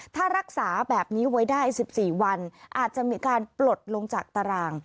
ถ้ารักษาแบบนี้ไว้ได้๑๔วันอาจจะมีการปลดลงจากตาราง